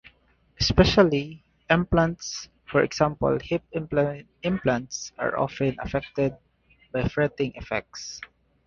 Especially implants, for example hip implants, are often affected by fretting effects.